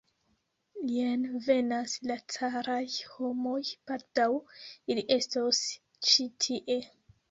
Jen venas la caraj homoj, baldaŭ ili estos ĉi tie.